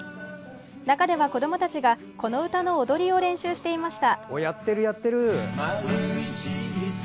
中では子どもたちがこの歌の踊りを練習していました。